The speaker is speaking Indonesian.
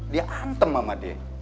dia antem sama dia